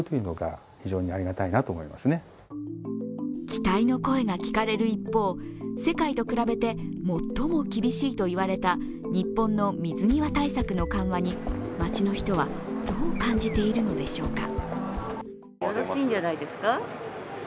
期待の声が聞かれる一方、世界と比べて最も厳しいといわれた日本の水際対策の緩和に街の人はどう感じているのでしょうか。